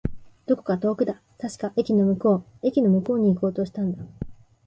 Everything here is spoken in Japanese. どこか遠くだ。確か、駅の向こう。駅の向こうに行こうとしたんだ。